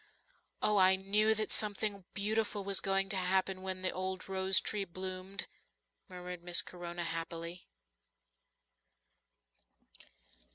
"Oh, I knew that something beautiful was going to happen when the old rose tree bloomed," murmured Miss Corona happily.